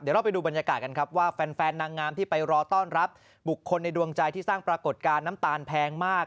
เดี๋ยวเราไปดูบรรยากาศกันครับว่าแฟนนางงามที่ไปรอต้อนรับบุคคลในดวงใจที่สร้างปรากฏการณ์น้ำตาลแพงมาก